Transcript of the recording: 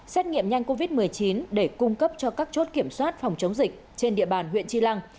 xét nghiệm nhanh covid một mươi chín để cung cấp cho các chốt kiểm soát phòng chống dịch trên địa bàn huyện tri lăng